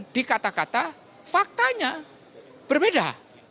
di kata kata faktanya berbeda